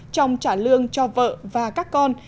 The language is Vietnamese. trong trả lương cho vợ và các con